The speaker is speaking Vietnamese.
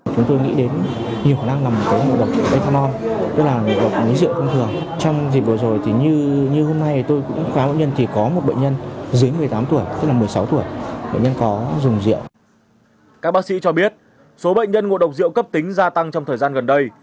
các bác sĩ cho biết số bệnh nhân ngộ độc rượu cấp tính gia tăng trong thời gian gần đây